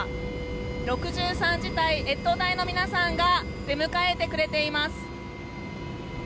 ６３次隊、越冬隊の皆さんが出迎えてくれています。